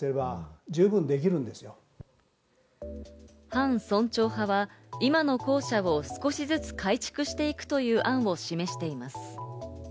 反村長派は今の校舎を少しずつ改築していくという案を示しています。